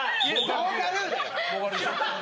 「ボーカル！」だよ。